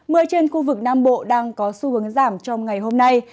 mưa trên khu vực nam bộ đang có xu hướng giảm trong ngày hôm nay